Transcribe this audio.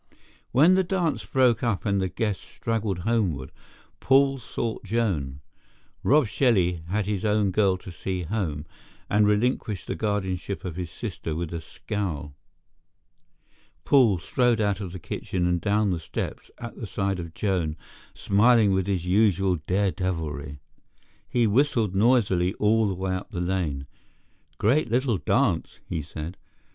When the dance broke up and the guests straggled homeward, Paul sought Joan. Rob Shelley had his own girl to see home and relinquished the guardianship of his sister with a scowl. Paul strode out of the kitchen and down the steps at the side of Joan, smiling with his usual daredeviltry. He whistled noisily all the way up the lane. "Great little dance," he said.